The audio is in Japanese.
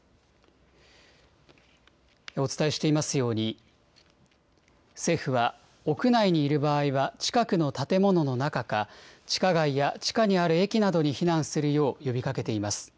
お伝えしていますように、政府は、屋内にいる場合は近くの建物の中か、地下街や地下にある駅などに避難するよう呼びかけています。